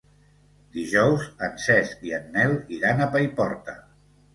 Dijous en Cesc i en Nel iran a Paiporta.